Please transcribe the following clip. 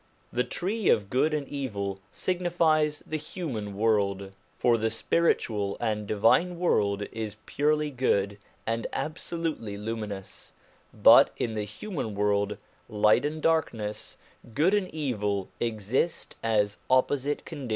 The tree of good and evil signifies the human world; for the spiritual and divine world is purely good and absolutely luminous, but in the human world light and darkness, good and evil, exist as opposite conditions.